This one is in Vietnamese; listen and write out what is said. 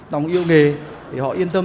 nóng yêu nghề để họ yên tâm